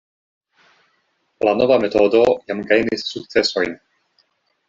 La nova metodo jam gajnis sukcesojn.